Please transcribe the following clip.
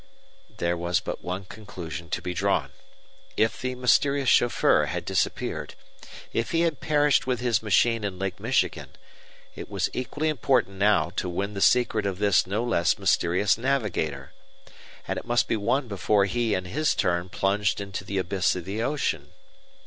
There was but one conclusion to be drawn. If the mysterious chauffeur had disappeared, if he had perished with his machine in Lake Michigan, it was equally important now to win the secret of this no less mysterious navigator. And it must be won before he in his turn plunged into the abyss of the ocean.